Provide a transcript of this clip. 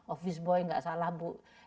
office boy nggak salah bu